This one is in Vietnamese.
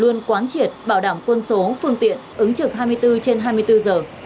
luôn quán triệt bảo đảm quân số phương tiện ứng trực hai mươi bốn trên hai mươi bốn giờ